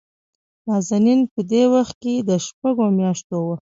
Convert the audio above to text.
نازنين په دې وخت کې دشپږو مياشتو وه.